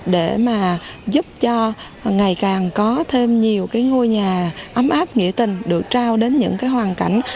để mà giúp cho ngày càng có thêm nhiều ngôi nhà ấm áp nghĩa tình được trao đến những hoàn cảnh